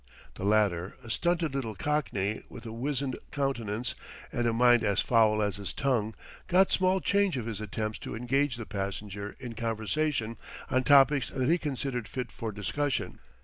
The latter, a stunted little Cockney with a wizened countenance and a mind as foul as his tongue, got small change of his attempts to engage the passenger in conversation on topics that he considered fit for discussion.